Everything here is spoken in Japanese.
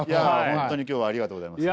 本当に今日はありがとうございます。